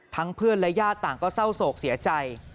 เพื่อนและญาติต่างก็เศร้าโศกเสียใจ